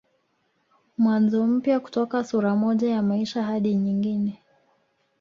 Mwanzo mpya kutoka sura moja ya maisha hadi nyingine